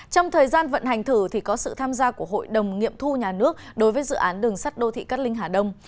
trong thời gian vận hành thử thì có sự tham gia của hội đồng nghiệm thu nhà nước đối với dự án đường sắt đô thị cát linh hà đông